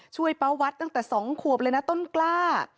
ป้าวัดตั้งแต่๒ขวบเลยนะต้นกล้า